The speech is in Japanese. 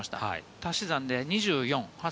足し算で２４。